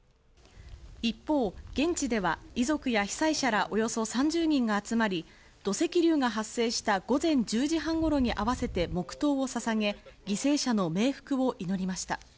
一方、現地では遺族や被災者らおよそ３０人が集まり、土石流が発生した午前１０時半頃に合わせて黙祷をささげ、犠牲者の冥福を祈りました。